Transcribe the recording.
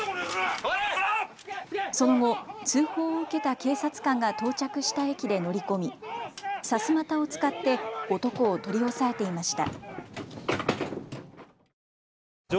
その後、通報を受けた警察官が到着した駅で乗り込みさすまたを使って男を取り押さえていました。